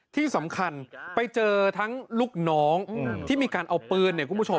ที่สำคัญไปเจอทั้งลูกน้องที่มีการเอาปืน